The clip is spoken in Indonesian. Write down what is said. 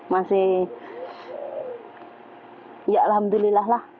masih ya alhamdulillah lah